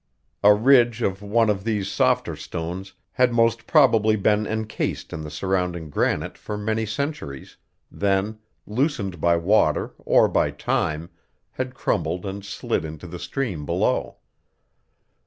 A ridge of one of these softer stones had most probably been encased in the surrounding granite for many centuries; then, loosened by water or by time, had crumbled and slid into the stream below.